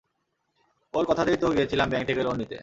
ওর কথাতেই তো গিয়েছিলাম ব্যাংক থেকে লোন নিতে।